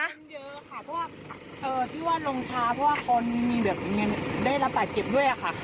ยังเยอะค่ะเพราะว่าที่ว่าลงช้าเพราะว่าคนมีแบบได้รับบาดเจ็บด้วยค่ะ